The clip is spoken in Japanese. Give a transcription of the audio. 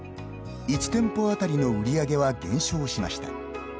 一店舗当たりの売り上げは減少しました。